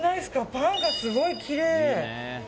パンがすごいきれい！